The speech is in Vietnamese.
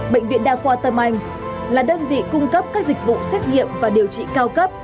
bệnh viện đa khoa tâm anh là đơn vị cung cấp các dịch vụ xét nghiệm và điều trị cao cấp